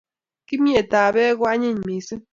Kimnyet ap pek ko anyiny mising